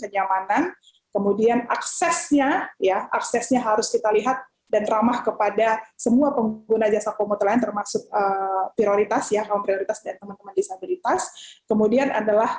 jamah kepada semua pengguna jasa komutelan termasuk prioritas yang prioritas disabilitas kemudian adalah